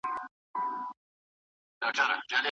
کلاسیک پوهان د خپل وخت استازي وو.